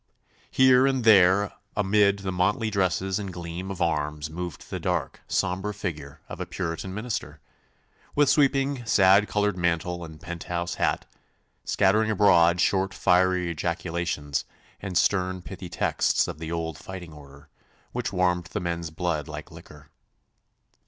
Here and there amid the motley dresses and gleam of arms moved the dark, sombre figure of a Puritan minister, with sweeping sad coloured mantle and penthouse hat, scattering abroad short fiery ejaculations and stern pithy texts of the old fighting order, which warmed the men's blood like liquor.